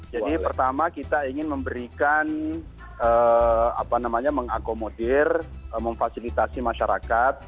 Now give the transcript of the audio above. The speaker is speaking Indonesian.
jadi pertama kita ingin memberikan apa namanya mengakomodir memfasilitasi masyarakat